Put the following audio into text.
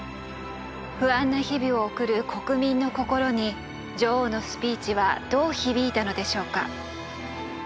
不安な日々を送る国民の心に女王のスピーチはどう響いたのでしょうか。